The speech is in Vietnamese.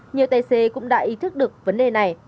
nhiều tài xế cũng đã ý thức được vấn đề này